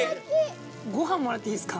ご飯もらっていいですか？